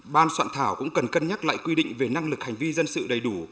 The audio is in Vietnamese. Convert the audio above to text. ban soạn thảo cũng cần cân nhắc lại quy định về năng lực hành vi dân sự đầy đủ